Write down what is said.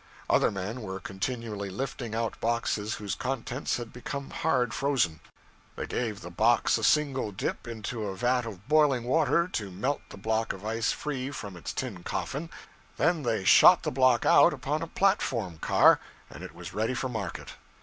Other men were continually lifting out boxes whose contents had become hard frozen. They gave the box a single dip into a vat of boiling water, to melt the block of ice free from its tin coffin, then they shot the block out upon a platform car, and it was ready for market.